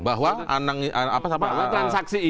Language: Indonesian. bahwa transaksi itu